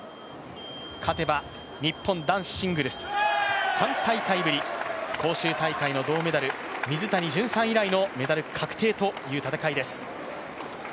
勝てば日本男子シングルス３大会ぶり、広州大会の銅メダル水谷隼さん以来のメダル確定という戦いです。